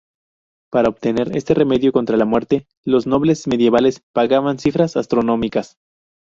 Por obtener este remedio contra la muerte, los nobles medievales pagaban cifras astronómicas.